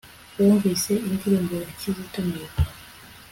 Wumvise indirimbo ya Kizito Mihigo